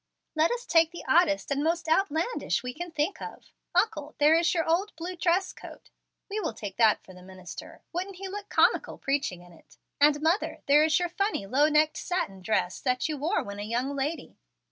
Let us take the oddest and most outlandish we can think of. Uncle, there is your old blue dresscoat; we will take that for the minister. Wouldn't he look comical preaching in it? And, mother, there is your funny low necked satin dress that you wore when a young lady.